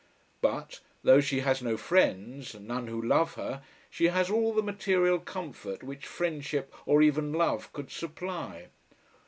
But, though she has no friends none who love her, she has all the material comfort which friendship or even love could supply.